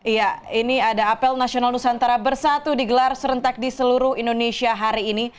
iya ini ada apel nasional nusantara bersatu digelar serentak di seluruh indonesia hari ini